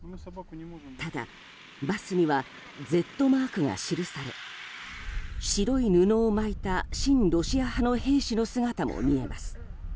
ただ、バスにはＺマークが印され白い布を巻いた親ロシア派の兵士の姿も見えます。